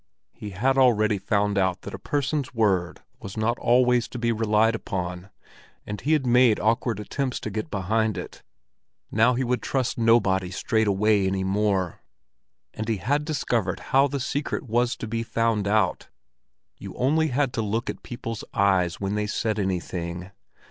He had already found out that a person's word was not always to be relied upon, and he had made awkward attempts to get behind it. Now he would trust nobody straight away any more; and he had discovered how the secret was to be found out. You only had to look at people's eyes when they said anything.